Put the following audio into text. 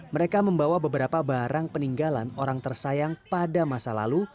mereka membawa beberapa barang peninggalan orang tersayang pada masa lalu